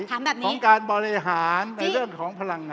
ของการบริหารในเรื่องของพลังงาน